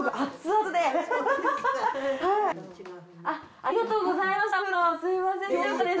ありがとうございます。